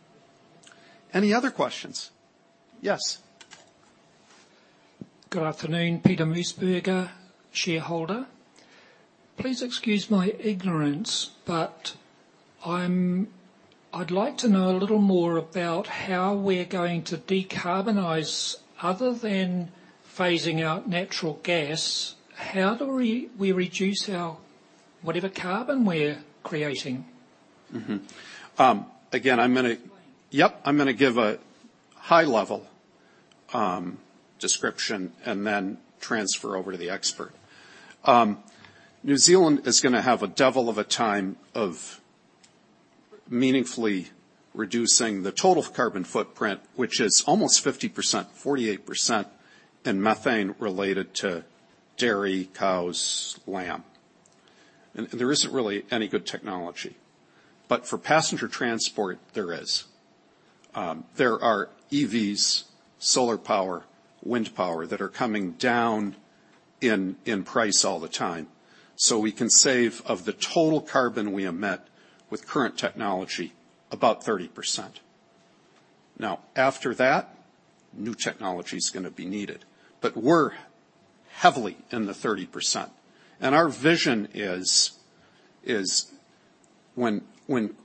Any other questions? Yes. Good afternoon, Peter Mussburger, shareholder. Please excuse my ignorance, but I'd like to know a little more about how we're going to decarbonize. Other than phasing out natural gas, how do we reduce our whatever carbon we're creating? Mm-hmm. Again, I'm gonna- Explain. Yep, I'm gonna give a high-level description and then transfer over to the expert. New Zealand is gonna have a devil of a time of meaningfully reducing the total carbon footprint, which is almost 50%, 48%, in methane related to dairy cows, lamb. And there isn't really any good technology. But for passenger transport, there is. There are EVs, solar power, wind power that are coming down in price all the time. So we can save, of the total carbon we emit, with current technology, about 30%. Now, after that, new technology is gonna be needed, but we're heavily in the 30%. And our vision is when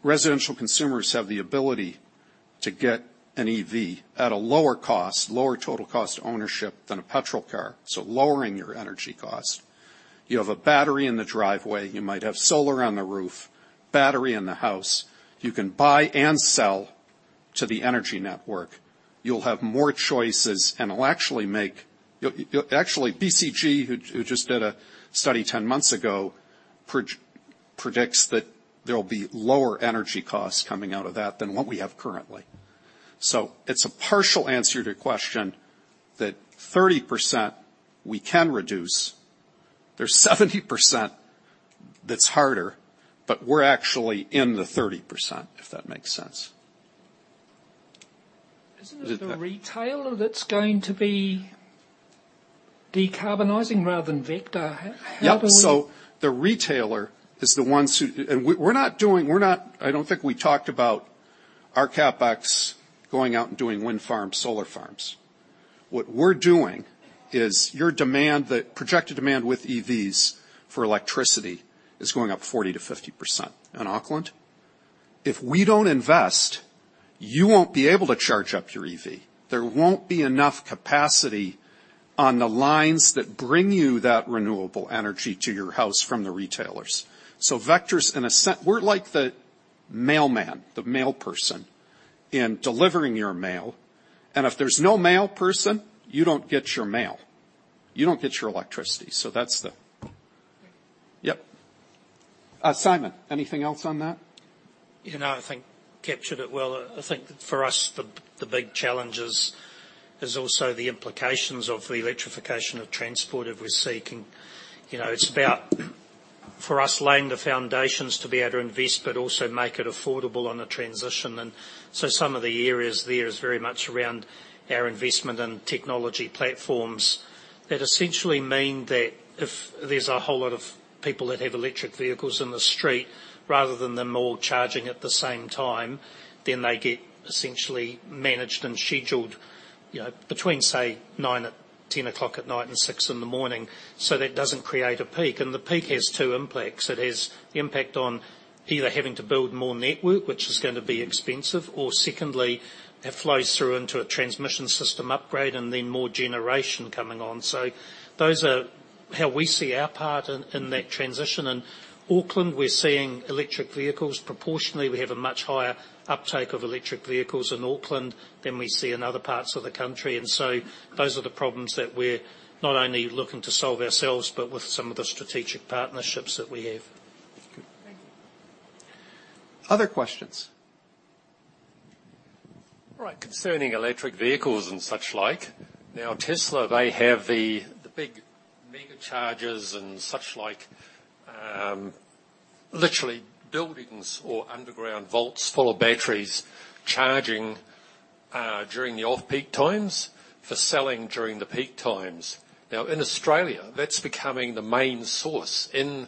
residential consumers have the ability to get an EV at a lower cost, lower total cost of ownership than a petrol car, so lowering your energy cost. You have a battery in the driveway, you might have solar on the roof, battery in the house. You can buy and sell to the energy network. You'll have more choices, and it'll actually make... actually, BCG, who just did a study 10 months ago, predicts that there'll be lower energy costs coming out of that than what we have currently. So it's a partial answer to your question, that 30% we can reduce. There's 70% that's harder, but we're actually in the 30%, if that makes sense. Isn't it the retailer that's going to be decarbonizing rather than Vector? How do we- Yep, so the retailer is the ones who... And we, we're not doing. We're not. I don't think we talked about our CapEx going out and doing wind farms, solar farms. What we're doing is your demand, the projected demand with EVs for electricity is going up 40%-50% in Auckland. If we don't invest, you won't be able to charge up your EV. There won't be enough capacity on the lines that bring you that renewable energy to your house from the retailers. So Vector's in a s. We're like the mailman, the mail person, in delivering your mail, and if there's no mail person, you don't get your mail. You don't get your electricity, so that's the- Great. Yep. Simon, anything else on that? You know, I think captured it well. I think for us, the big challenge is also the implications of the electrification of transport, if we're seeking... You know, it's about for us, laying the foundations to be able to invest, but also make it affordable on the transition. And so some of the areas there is very much around our investment in technology platforms. That essentially mean that if there's a whole lot of people that have electric vehicles in the street, rather than them all charging at the same time, then they get essentially managed and scheduled, you know, between, say, 9:00-10:00 P.M. and 6:00 A.M., so that doesn't create a peak. And the peak has two impacts. It has the impact on either having to build more network, which is gonna be expensive, or secondly, it flows through into a transmission system upgrade and then more generation coming on. So those are how we see our part in that transition. In Auckland, we're seeing electric vehicles. Proportionately, we have a much higher uptake of electric vehicles in Auckland than we see in other parts of the country. And so those are the problems that we're not only looking to solve ourselves, but with some of the strategic partnerships that we have. Thank you. Other questions? All right, concerning electric vehicles and such like, now, Tesla, they have the big mega chargers and such like, literally buildings or underground vaults full of batteries charging during the off-peak times for selling during the peak times. Now, in Australia, that's becoming the main source. In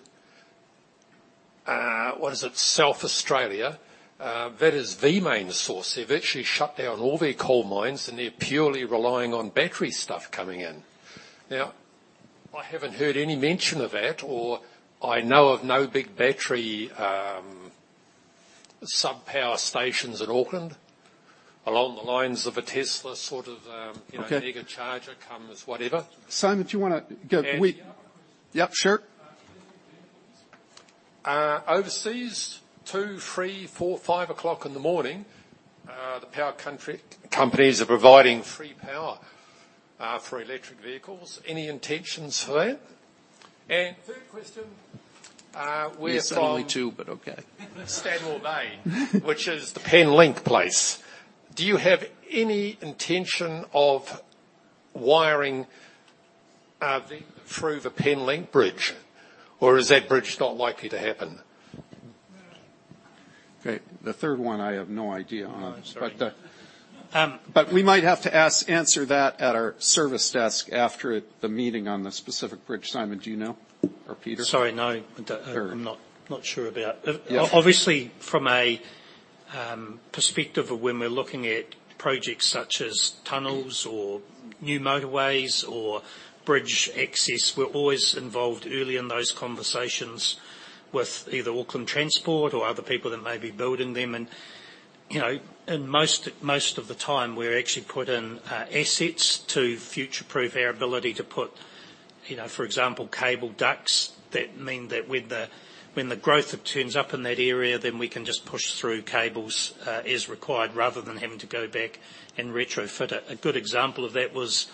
South Australia, that is the main source. They've actually shut down all their coal mines, and they're purely relying on battery stuff coming in. Now, I haven't heard any mention of that, or I know of no big battery sub-power stations in Auckland, along the lines of a Tesla sort of. Okay... you know, mega charger, commas, whatever. Simon, do you wanna go? We- Yeah. Yep, sure. Overseas, 2:00 A.M., 3:00 A.M., 4:00 A.M., 5:00 A.M., the power companies are providing free power for electric vehicles. Any intentions for that? And third question, we're from- There's only two, but okay. Stanmore Bay, which is the Penlink place. Do you have any intention of wiring through the Penlink bridge, or is that bridge not likely to happen? Okay, the third one, I have no idea on. Oh, sorry. But, uh- Um- But we might have to ask, answer that at our service desk after the meeting on the specific bridge. Simon, do you know? Or Peter? Sorry, no. Sure. I'm not sure about it. Yeah. Obviously, from a perspective of when we're looking at projects such as tunnels or new motorways or bridge access, we're always involved early in those conversations with either Auckland Transport or other people that may be building them and, you know, and most of the time, we actually put in assets to future-proof our ability to put, you know, for example, cable ducts. That mean that when the growth turns up in that area, then we can just push through cables as required, rather than having to go back and retrofit it. A good example of that was,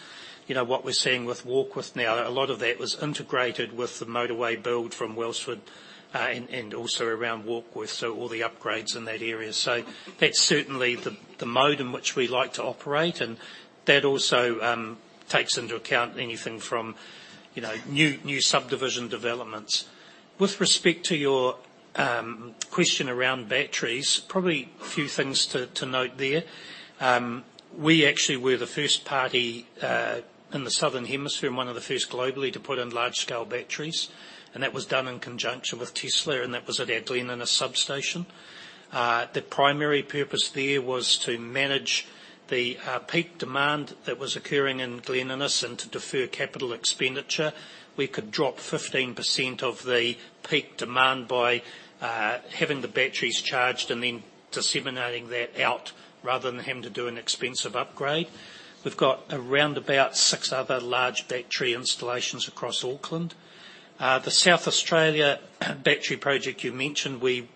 you know, what we're seeing with Warkworth now. A lot of that was integrated with the motorway build from Wellsford and also around Warkworth, so all the upgrades in that area. So that's certainly the mode in which we like to operate, and that also takes into account anything from, you know, new subdivision developments. With respect to your question around batteries, probably a few things to note there. We actually were the first party in the Southern Hemisphere and one of the first globally to put in large-scale batteries, and that was done in conjunction with Tesla, and that was at Orakei in a substation. The primary purpose there was to manage the peak demand that was occurring in Glen Innes, and to defer capital expenditure, we could drop 15% of the peak demand by having the batteries charged and then disseminating that out, rather than having to do an expensive upgrade. We've got around about six other large battery installations across Auckland. The South Australia battery project you mentioned, we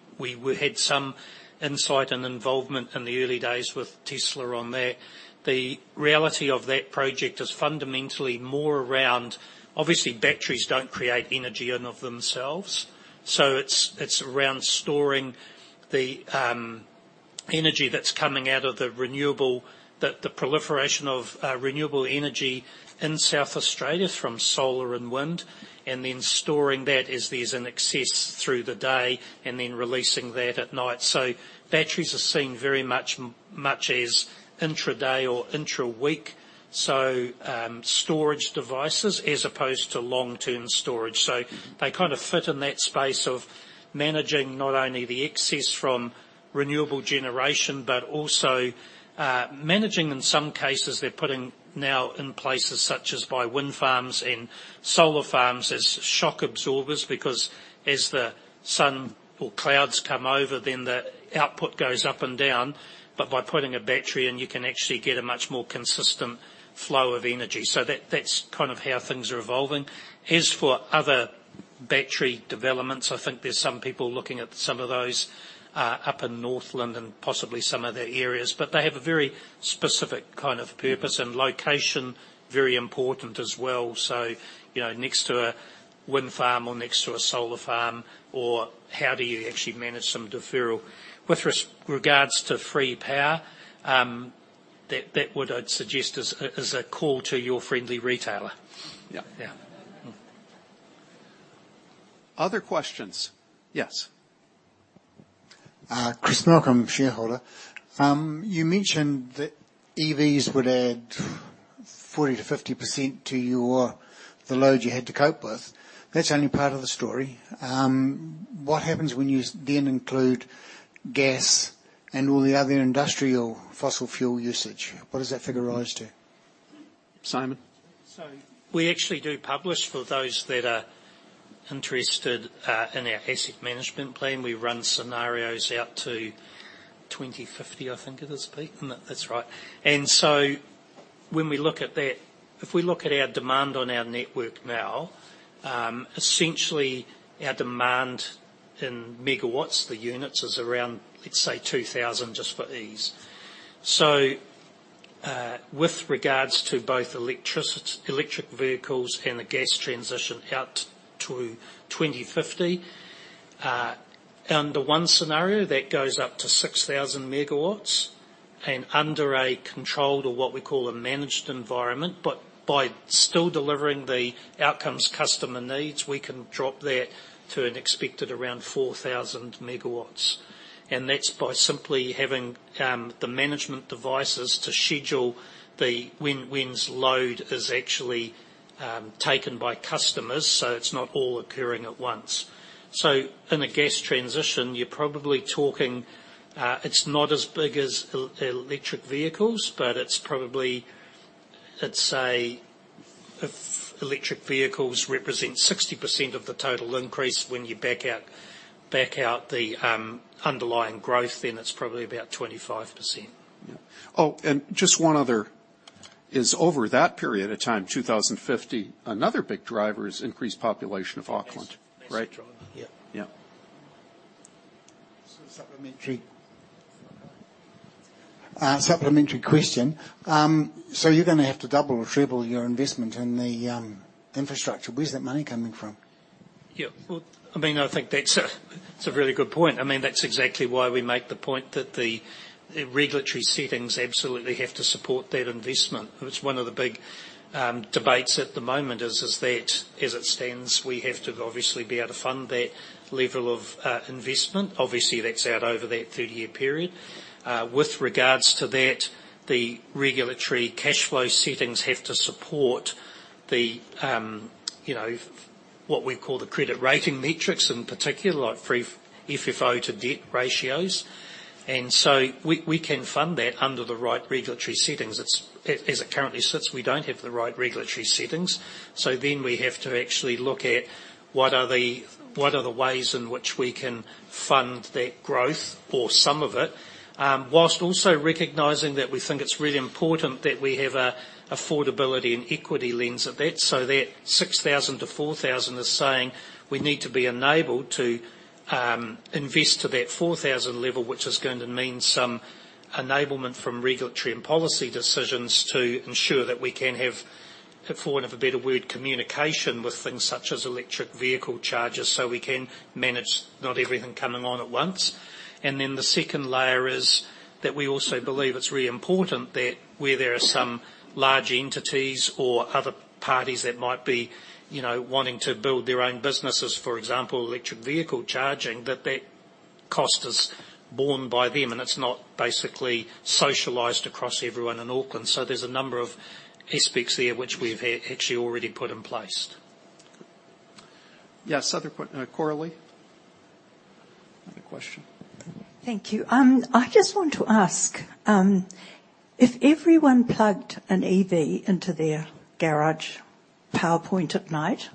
had some insight and involvement in the early days with Tesla on there. The reality of that project is fundamentally more around... Obviously, batteries don't create energy in and of themselves, so it's around storing the energy that's coming out of the renewable—the proliferation of renewable energy in South Australia from solar and wind, and then storing that as there's an excess through the day, and then releasing that at night. So batteries are seen very much as intraday or intra-week storage devices as opposed to long-term storage. So they kind of fit in that space of managing not only the excess from renewable generation, but also managing in some cases, they're putting now in places such as by wind farms and solar farms as shock absorbers. Because as the sun or clouds come over, then the output goes up and down, but by putting a battery in, you can actually get a much more consistent flow of energy. So that, that's kind of how things are evolving. As for other battery developments, I think there's some people looking at some of those up in Northland and possibly some other areas. But they have a very specific kind of purpose, and location, very important as well. So, you know, next to a wind farm or next to a solar farm, or how do you actually manage some deferral? With regards to free power, that, that would, I'd suggest, is a, is a call to your friendly retailer. Yeah. Yeah. Mm. Other questions? Yes. Chris Milcom, shareholder. You mentioned that EVs would add 40%-50% to your, the load you had to cope with. That's only part of the story. What happens when you then include gas and all the other industrial fossil fuel usage? What does that figure rise to? Simon? So we actually do publish, for those that are interested, in our asset management plan. We run scenarios out to 2050, I think it is, Pete. Mm, that's right. And so when we look at that, if we look at our demand on our network now, essentially, our demand in megawatts, the units, is around, let's say, 2000, just for ease. So, with regards to both electric vehicles and the gas transition out to 2050, under one scenario, that goes up to 6000 megawatts, and under a controlled or what we call a managed environment, but by still delivering the outcomes customer needs, we can drop that to an expected around 4000 megawatts. And that's by simply having, the management devices to schedule the... When load is actually taken by customers, so it's not all occurring at once. So in a gas transition, you're probably talking, it's not as big as electric vehicles, but it's probably, I'd say, if electric vehicles represent 60% of the total increase, when you back out the underlying growth, then it's probably about 25%. Yeah. Oh, and just one other. Is over that period of time, 2050, another big driver is increased population of Auckland- Yes. Right? That's true, yeah. Yeah. So supplementary, supplementary question. So you're gonna have to double or triple your investment in the infrastructure. Where's that money coming from? Yeah, well, I mean, I think that's a, that's a really good point. I mean, that's exactly why we make the point that the, the regulatory settings absolutely have to support that investment. It's one of the big debates at the moment, is, is that, as it stands, we have to obviously be able to fund that level of investment. Obviously, that's out over that 30-year period. With regards to that, the regulatory cash flow settings have to support the, um, you know, what we call the credit rating metrics, in particular, like free FFO to debt ratios. And so we, we can fund that under the right regulatory settings. It's as it currently sits, we don't have the right regulatory settings, so then we have to actually look at what are the ways in which we can fund that growth or some of it, while also recognizing that we think it's really important that we have an affordability and equity lens of that. So that 6,000-4,000 is saying we need to be enabled to invest to that 4,000 level, which is going to mean some enablement from regulatory and policy decisions to ensure that we can have, for want of a better word, communication with things such as electric vehicle chargers, so we can manage not everything coming on at once. And then the second layer is that we also believe it's really important that where there are some large entities or other parties that might be, you know, wanting to build their own businesses, for example, electric vehicle charging, that that cost is borne by them, and it's not basically socialized across everyone in Auckland. So there's a number of aspects there, which we've actually already put in place. Yes, other, Coralie?... Thank you. I just want to ask if everyone plugged an EV into their garage power point at night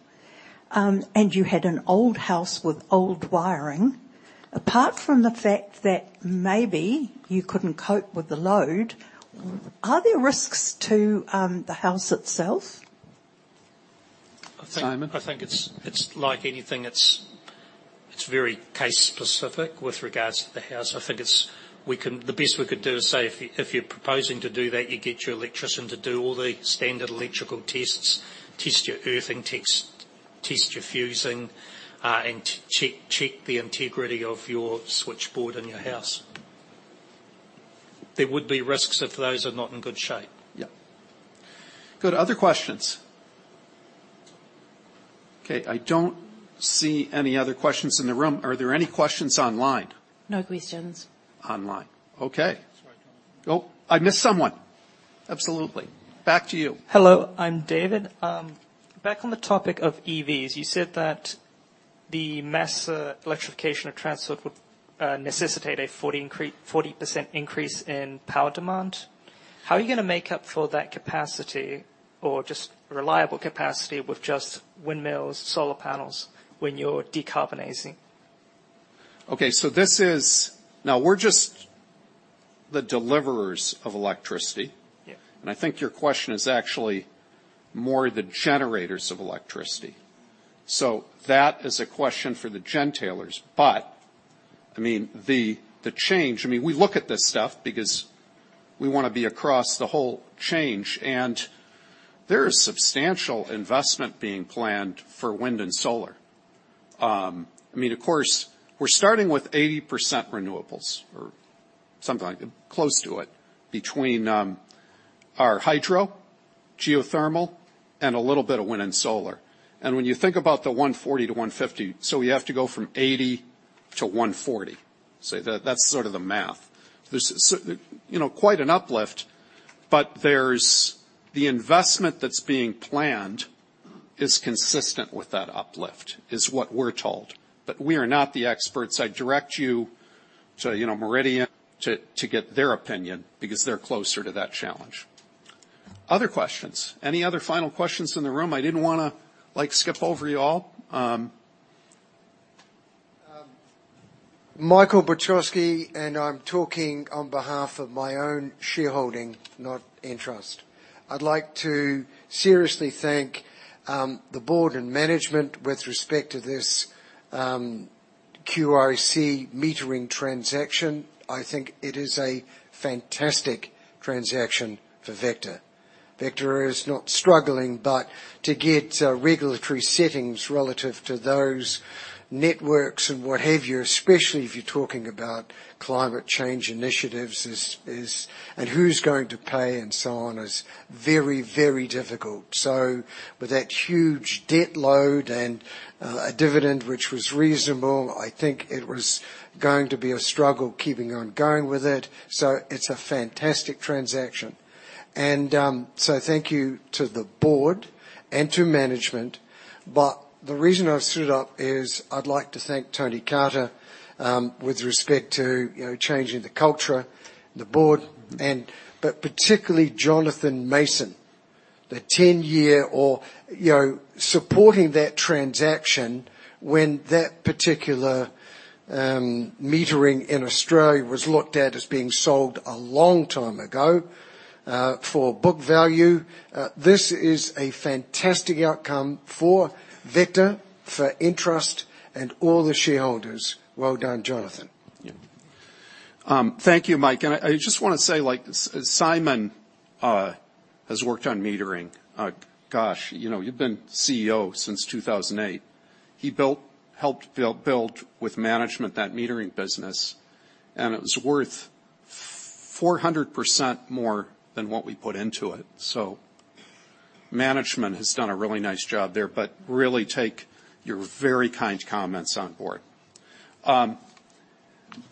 and you had an old house with old wiring, apart from the fact that maybe you couldn't cope with the load, are there risks to the house itself? Simon? I think it's like anything, it's very case specific with regards to the house. I think the best we could do is say, if you're proposing to do that, you get your electrician to do all the standard electrical tests: test your earthing, test your fusing, and check the integrity of your switchboard in your house. There would be risks if those are not in good shape. Yeah. Go to other questions. Okay, I don't see any other questions in the room. Are there any questions online? No questions. Online. Okay. Sorry- Oh, I missed someone. Absolutely. Back to you. Hello, I'm David. Back on the topic of EVs, you said that the mass electrification of transport would necessitate a 40% increase in power demand. How are you gonna make up for that capacity or just reliable capacity with just windmills, solar panels, when you're decarbonizing? Okay, so now we're just the deliverers of electricity. Yeah. I think your question is actually more the generators of electricity. So that is a question for the gentailers. But I mean, the change, I mean, we look at this stuff because we want to be across the whole change, and there is substantial investment being planned for wind and solar. I mean, of course, we're starting with 80% renewables or something close to it, between our hydro, geothermal, and a little bit of wind and solar. And when you think about the 140-150, so we have to go from 80-140. So that, that's sort of the math. There's you know, quite an uplift, but there's the investment that's being planned is consistent with that uplift, is what we're told. But we are not the experts. I'd direct you to, you know, Meridian to, to get their opinion because they're closer to that challenge. Other questions? Any other final questions in the room? I didn't wanna, like, skip over y'all. Michael Buczkowski, and I'm talking on behalf of my own shareholding, not Entrust. I'd like to seriously thank, the board and management with respect to this, QIC metering transaction. I think it is a fantastic transaction for Vector. Vector is not struggling, but to get, regulatory settings relative to those networks and what have you, especially if you're talking about climate change initiatives, is, and who's going to pay and so on, is very, very difficult. So with that huge debt load and, a dividend, which was reasonable, I think it was going to be a struggle keeping on going with it, so it's a fantastic transaction. So thank you to the board and to management, but the reason I've stood up is I'd like to thank Tony Carter, with respect to, you know, changing the culture, the board, and but particularly Jonathan Mason, the ten-year or, you know, supporting that transaction when that particular, metering in Australia was looked at as being sold a long time ago, for book value. This is a fantastic outcome for Vector, for Entrust, and all the shareholders. Well done, Jonathan. Yeah. Thank you, Mike. And I just wanna say, like, Simon has worked on metering. Gosh, you know, you've been CEO since 2008. He built, helped build, build with management, that metering business, and it was worth 400% more than what we put into it. So management has done a really nice job there, but really take your very kind comments on board.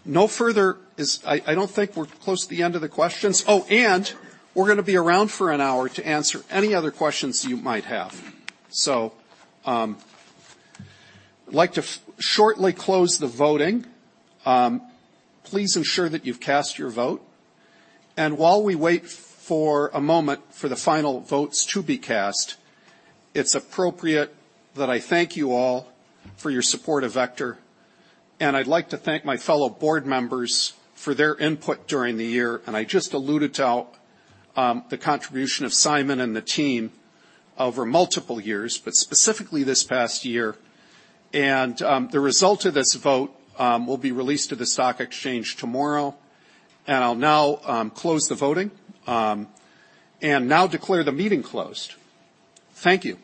No further. I don't think we're close to the end of the questions. Oh, and we're gonna be around for an hour to answer any other questions you might have. So, I'd like to shortly close the voting. Please ensure that you've cast your vote, and while we wait for a moment for the final votes to be cast, it's appropriate that I thank you all for your support of Vector. And I'd like to thank my fellow board members for their input during the year, and I just alluded to the contribution of Simon and the team over multiple years, but specifically this past year. And the result of this vote will be released to the stock exchange tomorrow. And I'll now close the voting and now declare the meeting closed. Thank you.